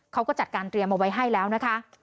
เขาก็จัดการเตรียมเอาไว้ให้แล้วนะคะ